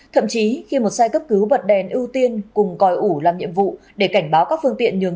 thậm chí khi một xe cấp cứu bật đèn ưu tiên cùng còi ủ làm nhiệm vụ để cảnh báo các phương tiện nhường